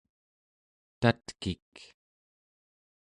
tatkik